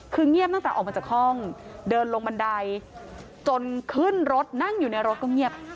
คือเงียบตั้งแต่ออกมาจากห้องเดินลงบันไดจนขึ้นรถนั่งอยู่ในรถก็เงียบ